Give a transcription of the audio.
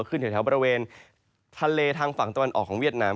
ขึ้นแถวบริเวณทะเลทางฝั่งตะวันออกของเวียดนาม